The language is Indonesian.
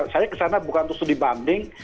saya ke sana bukan untuk dibanding